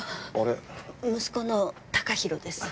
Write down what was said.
息子の崇裕です。